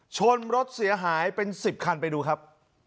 ชนรถเสียหายเป็น๑๐คันไปดูครับ